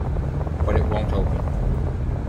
But it won't open.